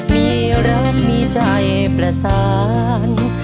มีรักมีใจประสาน